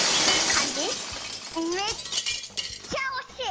めっちゃおしい！